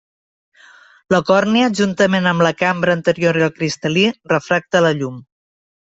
La còrnia, juntament amb la cambra anterior i el cristal·lí, refracta la llum.